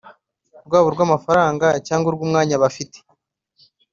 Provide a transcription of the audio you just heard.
rwaba urw’amafaranga cyangwa urw’umwanya bafite